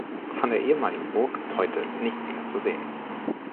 Von der ehemaligen Burg ist heute nichts mehr zu sehen.